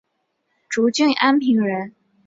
涿郡安平人。